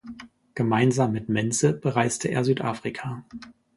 Gemeinsam mit Mense bereiste er Südafrika.